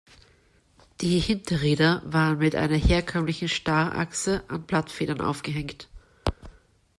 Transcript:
Die Hinterräder waren mit einer herkömmlichen Starrachse an Blattfedern aufgehängt.